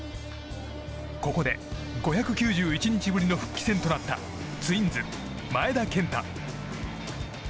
ここで５９１日ぶりの復帰戦となったツインズ、前田健太。